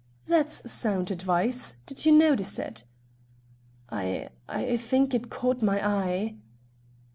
That's sound advice. Did you notice it?" "I I think it caught my eye!"